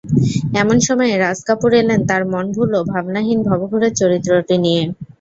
এমন সময়েই রাজ কাপুর এলেন তার মনভুলো, ভাবনাহীন ভবঘুরের চরিত্রটি নিয়ে।